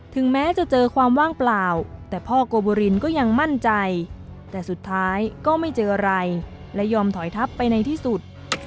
แม้จะเจอความว่างเปล่าแต่พ่อโกบุรินก็ยังมั่นใจแต่สุดท้ายก็ไม่เจออะไรและยอมถอยทับไปในที่สุด